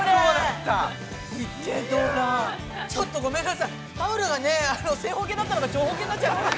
◆ちょっと、ごめんなさいタオルがね、正方形だったのが長方形になっちゃった。